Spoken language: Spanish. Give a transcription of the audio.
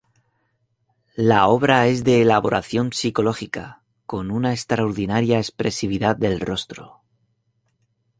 La obra es de una elaboración psicológica con una extraordinaria expresividad del rostro.